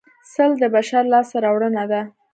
سل د بشر لاسته راوړنه ده